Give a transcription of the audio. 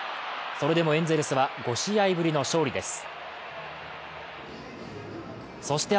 それでもエンゼルスは５試合ぶりの勝利です。